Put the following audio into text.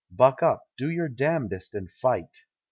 Buck up, do your damnedest and fight!